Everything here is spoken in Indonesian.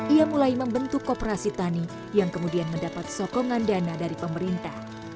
ia mulai membentuk kooperasi tani yang kemudian mendapat sokongan dana dari pemerintah